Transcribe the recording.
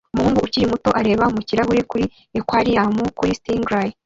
Umuhungu ukiri muto areba mu kirahuri kuri aquarium kuri stingray